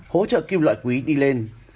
hỗ trợ kim loại quý đi lên